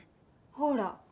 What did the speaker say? ほら。